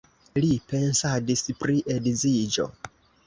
Li pensadis pri edziĝo.